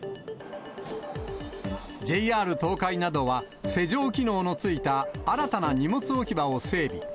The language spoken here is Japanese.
ＪＲ東海などは、施錠機能の付いた新たな荷物置き場を整備。